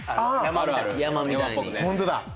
・あるある山みたいにホントだ！